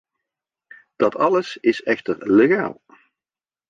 Dat alles is echter legaal.